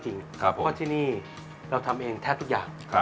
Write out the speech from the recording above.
เพราะที่นี่เราทำเองแทบทุกอย่าง